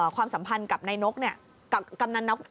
ความสัมพันธ์กับกำนันนก